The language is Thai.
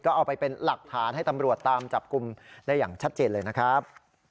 ก็เอาไปเป็นหลักฐานให้ตำรวจตามจับกลุ่มได้อย่างชัดเจนเลยนะครับ